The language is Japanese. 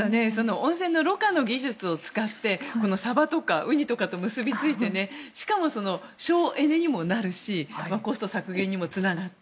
温泉のろ過の技術を使ってサバとかウニとかと結びついてしかも、省エネにもなるしコスト削減にもつながって